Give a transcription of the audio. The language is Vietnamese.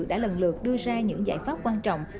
đã lần lượt đưa ra những giải pháp quan trọng